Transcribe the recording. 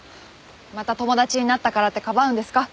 また友達になったからってかばうんですか？